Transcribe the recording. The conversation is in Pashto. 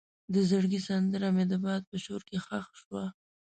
د زړګي سندره مې د باد په شور کې ښخ شوه.